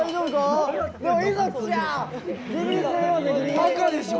バカでしょ！